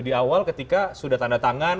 di awal ketika sudah tanda tangan